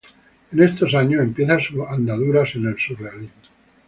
En estos años empieza su andadura en el surrealismo.